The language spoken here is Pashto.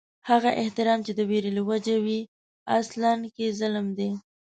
هغه احترام چې د وېرې له وجې وي، اصل کې ظلم دي